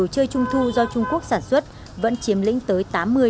trung quốc sản xuất vẫn chiếm lĩnh tới tám mươi chín mươi